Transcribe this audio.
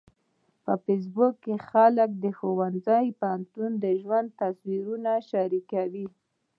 په فېسبوک کې خلک د ښوونځي او پوهنتون د ژوند تصویرونه شریکوي